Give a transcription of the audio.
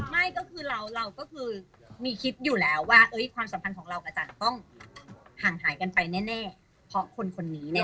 ไม่ก็คือเราก็คือมีคิดอยู่แล้วว่าเอ้ยความสำคัญของเรากับจันตร์ต้องห่างหายกันไปแน่เพราะคนนี้แน่